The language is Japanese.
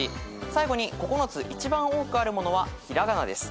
最後に９つ一番多くあるものは平仮名です。